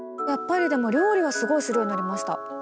やっぱり料理はすごいするようになりました。